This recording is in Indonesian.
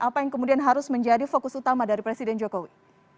apa yang kemudian harus menjadi fokus utama dari presiden jokowi